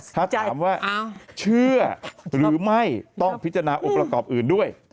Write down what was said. ถ้าถามว่าเชื่อหรือไม่ต้องพิจารณาองค์ประกอบอื่นด้วย